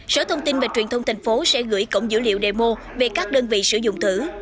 sở thông tin và truyền thông thành phố sẽ gửi cổng dữ liệu demo về các đơn vị sử dụng thử